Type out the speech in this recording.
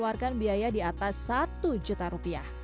sekarang boat bagaimana successful dan cara pak siapaashi